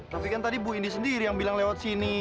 tapi kan tadi bu indi sendiri yang bilang lewat sini